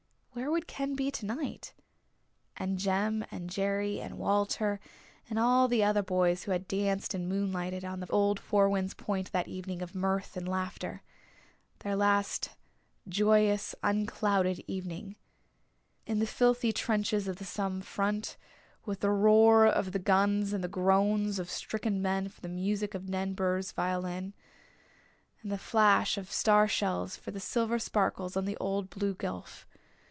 Where would Ken be tonight? And Jem and Jerry and Walter and all the other boys who had danced and moonlighted on the old Four Winds Point that evening of mirth and laughter their last joyous unclouded evening. In the filthy trenches of the Somme front, with the roar of the guns and the groans of stricken men for the music of Ned Burr's violin, and the flash of star shells for the silver sparkles on the old blue gulf.